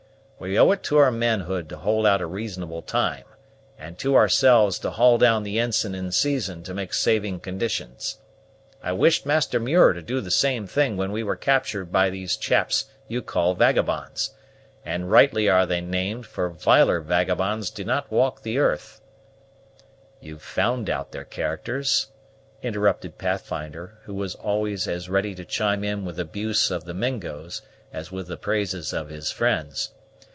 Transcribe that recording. We owe it to our manhood to hold out a reasonable time, and to ourselves to haul down the ensign in season to make saving conditions. I wished Master Muir to do the same thing when we were captured by these chaps you call vagabonds and rightly are they named, for viler vagabonds do not walk the earth " "You've found out their characters?" interrupted Pathfinder, who was always as ready to chime in with abuse of the Mingos as with the praises of his friends.